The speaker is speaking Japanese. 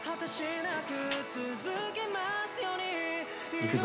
いくぞ。